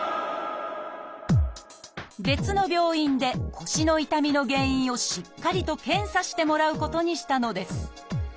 別の病院で腰の痛みの原因をしっかりと検査してもらうことにしたのです。